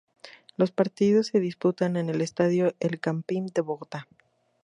Los partidos se disputan en el estadio El Campín de Bogotá.